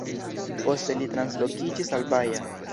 Poste li translokiĝis al Baja.